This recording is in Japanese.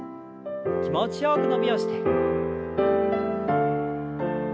気持ちよく伸びをして。